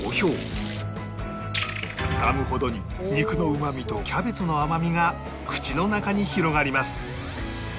噛むほどに肉のうまみとキャベツの甘みが口の中に広がります